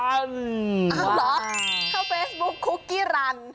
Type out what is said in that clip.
เอาเหรอเข้าเฟซบุ๊กคุกกี้รัน